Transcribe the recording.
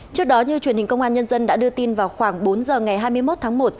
trước đó như truyền hình công an nhân dân đã đưa tin vào khoảng bốn giờ ngày hai mươi một tháng một